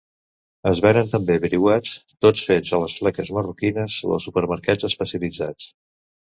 Es venen també briuats tot fets a les fleques marroquines o als supermercats especialitzats.